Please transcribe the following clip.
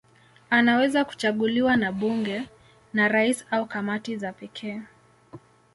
Anaweza kuchaguliwa na bunge, na rais au kamati za pekee.